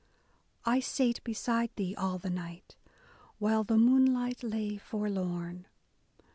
I sate beside thee all the night, while the moonlight lay forlorn.